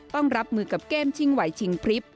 ต้องรับมือกับเกมชิงไหวชิงพริบ